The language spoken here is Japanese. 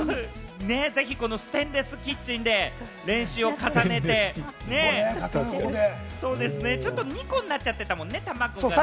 ぜひ、このステンレスキッチンで練習を重ねて、ちょっと２個になっちゃってたもんね、卵がね。